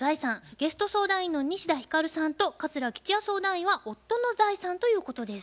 ゲスト相談員の西田ひかるさんと桂吉弥相談員は「夫の財産」ということです。